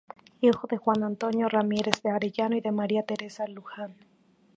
Hijo de Juan Antonio Ramírez de Arellano y de María Teresa Luján.